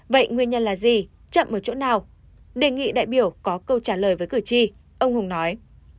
vậy nguyên nhân là gì chậm ở chỗ nào đề nghị đại biểu có câu trả lời với cử tri ông hùng nói